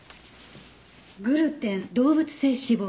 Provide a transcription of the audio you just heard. グルテン動物性脂肪。